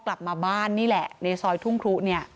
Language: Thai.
พอกลับมาบ้านนี่แหละในซอยทุ่งครุ